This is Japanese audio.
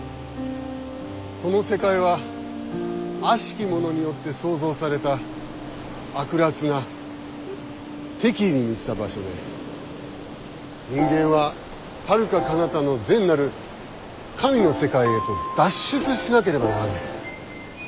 この世界はあしき者によって創造された悪辣な敵意に満ちた場所で人間ははるかかなたの善なる神の世界へと脱出しなければならない。